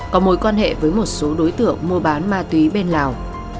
có mối quan hệ với một số đối tượng mua bán ma túy bên lào